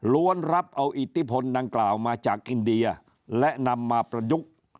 รับเอาอิทธิพลดังกล่าวมาจากอินเดียและนำมาประยุกต์